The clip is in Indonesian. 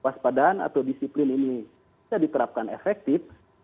kewaspadaan atau disiplin ini bisa diterapkan efektif